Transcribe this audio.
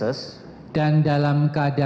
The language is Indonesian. untuk menemukan penyebab kematian